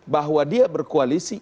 bahwa dia berkoalisi